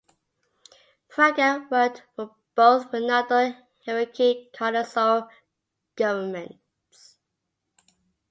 Fraga worked for both Fernando Henrique Cardoso governments.